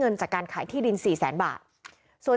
เมื่อวานแบงค์อยู่ไหนเมื่อวาน